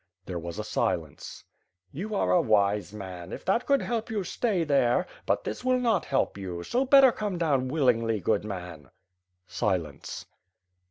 '* There was a silence. "You are a wise man! If that could help you stay there; but this will not help you, so better come down willingly, good man." Silence.